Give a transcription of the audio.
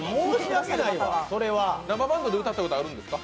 生バンドで歌ったことあるんですか？